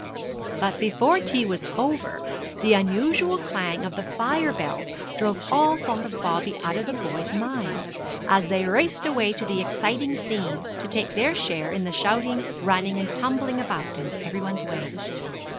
But before tea was over, the unusual clang of the fire bells drove all thought of Bobby out of the boys' minds, as they raced away to the exciting scene, to take their share in the shouting, running, and tumbling about in every one's way.